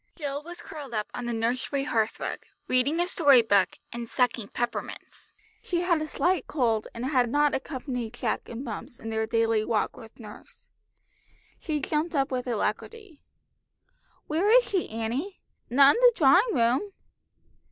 Jill was curled up on the nursery hearthrug, reading a story book, and sucking peppermints. She had a slight cold, and had not accompanied Jack and Bumps in their daily walk with nurse. She jumped up with alacrity. "Where is she, Annie? Not in the drawing room?"